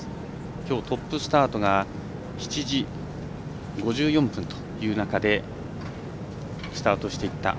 きょうトップスタートが７時５４分という中でスタートしていった。